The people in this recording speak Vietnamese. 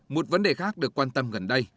một vấn đề khác được quan tâm gần đây